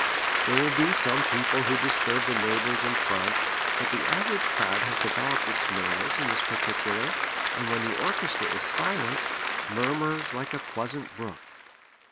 There will be some people who disturb the neighbors in front, but the average crowd has developed its manners in this particular, and when the orchestra is silent, murmurs like a pleasant brook.